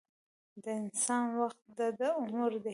د انسان وخت دده عمر دی.